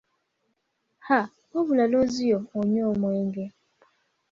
Ha! Wabula looziyo onywa omwenge.